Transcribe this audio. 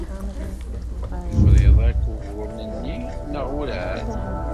Tefriḍ akk uguren-nni neɣ werɛad?